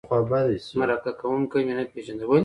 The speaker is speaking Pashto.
مرکه کوونکی مې نه پېژنده.